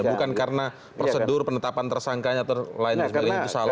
bukan karena prosedur penetapan tersangkanya terlain lain itu salah